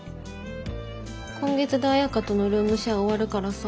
今月で綾花とのルームシェア終わるからさ。